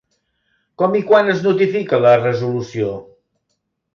Com i quan es notifica la resolució?